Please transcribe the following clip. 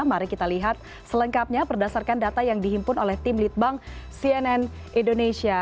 mari kita lihat selengkapnya berdasarkan data yang dihimpun oleh tim litbang cnn indonesia